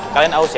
kalian aus ya